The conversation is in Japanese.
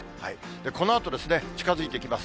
このあと、近づいてきます。